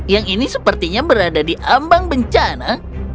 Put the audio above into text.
yang ini sepertinya berada di ambang bencana